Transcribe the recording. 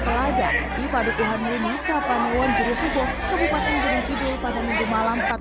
pelagak di padukuhanun mika panewon jirisubur kebupaten giringkidul pada minggu malam empat belas